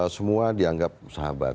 semua dianggap sahabat